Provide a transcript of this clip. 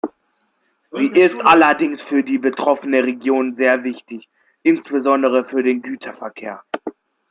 Sie ist allerdings für die betroffene Region sehr wichtig, insbesondere für den Güterverkehr.